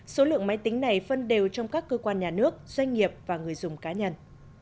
số lượng máy tính này phân đều trong các cơ quan nhà nước doanh nghiệp và người dùng cá nhân